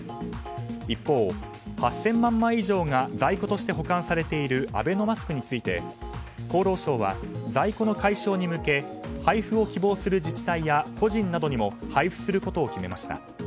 一方、８０００万枚以上が在庫として保管されているアベノマスクについて厚労省は在庫の解消に向け配布を希望する自治体や個人などにも配布することを決めました。